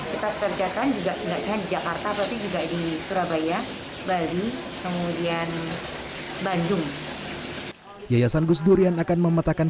di jakarta tapi juga di surabaya bali kemudian bandung yayasan gus durian akan memetakkan